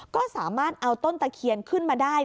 ก็สามารถเอาต้นตะเคียนขึ้นมาได้